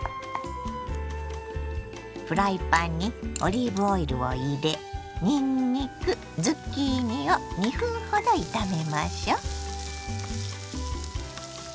フライパンにオリーブオイルを入れにんにくズッキーニを２分ほど炒めましょ。